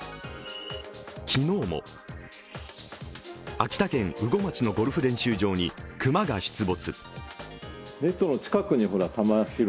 昨日も秋田県羽後町のゴルフ練習場に熊が出没。